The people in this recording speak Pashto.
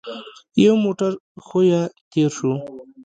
يو موټر ښويه تېر شو.